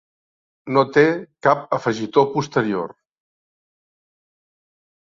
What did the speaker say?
No té cap afegitó posterior.